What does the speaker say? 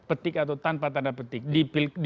petik atau tanpa tanda petik